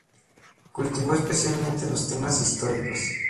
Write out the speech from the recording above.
Cultivó especialmente los temas históricos.